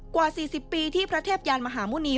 กว่า๔๐ปีที่พระเทพยานมหาหมุณี